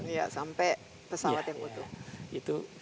iya sampai pesawat yang utuh